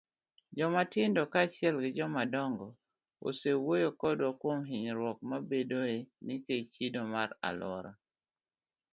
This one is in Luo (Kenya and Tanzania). Jomatindo kaachiel gi jomadongo osewuoyo kodwa kuom hinyruok mabedoe nikech chido alwora.